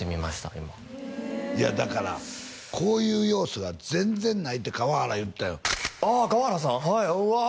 今いやだからこういう要素が全然ないって河原言うてたよああ河原さんはいうわあ